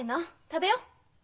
食べよう。